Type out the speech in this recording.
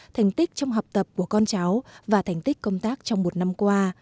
thành tích trong học tập của con cháu và thành tích công tác trong một năm qua